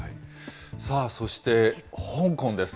さあ、そして香港です。